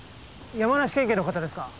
山梨県警の方ですか？